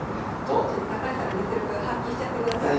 ちょっと高橋さんの実力発揮しちゃってください。